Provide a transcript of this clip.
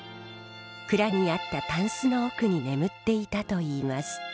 蔵にあったタンスの奥に眠っていたといいます。